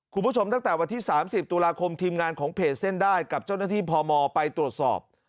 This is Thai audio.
ตั้งแต่วันที่๓๐ตุลาคมทีมงานของเพจเส้นได้กับเจ้าหน้าที่พมไปตรวจสอบ